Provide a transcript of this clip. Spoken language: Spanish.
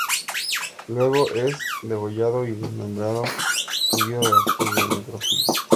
Luego, es degollado y desmembrado, seguido de actos de necrofilia.